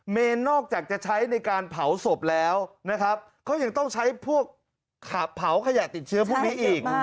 เนรนอกจากจะใช้ในการเผาศพแล้วนะครับเขายังต้องใช้พวกเผาขยะติดเชื้อพวกนี้อีก